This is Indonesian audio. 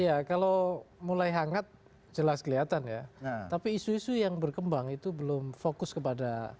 iya kalau mulai hangat jelas kelihatan ya tapi isu isu yang berkembang itu belum fokus kepada